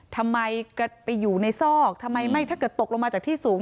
ทำไมไปอยู่ในซอกถ้าเกิดตกลงมาจากที่สูง